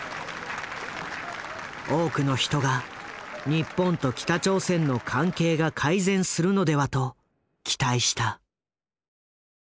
多くの人が日本と北朝鮮の関係が改善するのではと期待した。